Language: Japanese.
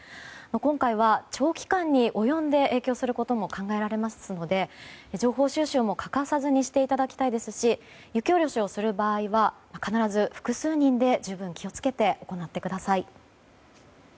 今回は長期間に及んで影響することも考えられますので情報収集も欠かさずにしていただきたいですし雪下ろしをする場合は必ず複数人で十分気を付けて行ってください。